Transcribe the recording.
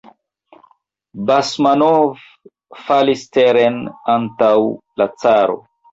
Basmanov falis teren antaŭ la caro.